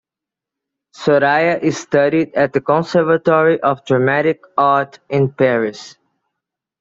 Sorya studied at the Conservatory of Dramatic Art in Paris.